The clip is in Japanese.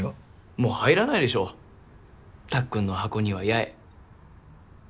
もう入らないでしょたっくんの箱には八重。